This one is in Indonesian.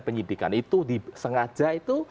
penyidikan itu di sengaja itu